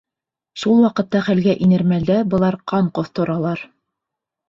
Шул ваҡытта хәлгә инер мәлдә былар ҡан ҡоҫторалар.